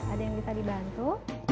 ada yang bisa dibantu